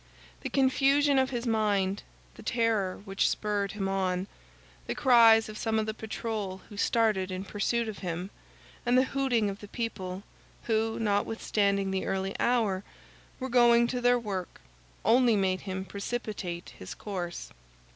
The confusion of his mind, the terror which spurred him on, the cries of some of the patrol who started in pursuit of him, and the hooting of the people who, notwithstanding the early hour, were going to their work, only made him precipitate his course.